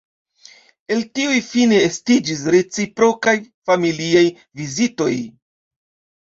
El tiuj fine estiĝis reciprokaj, familiaj vizitoj.